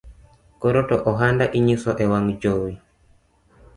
Koro to ohanda inyiso ewang’ jowi